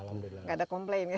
tidak ada komplain ya